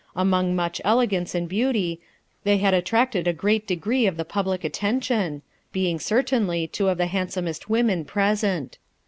Among much elegance and beauty, they had attracted a great degree of the public attention, being certainly two of the handsomest women present.